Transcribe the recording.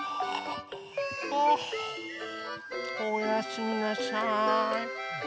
あおやすみなさい。